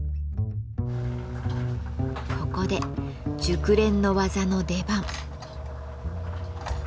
ここで熟練の技の出番。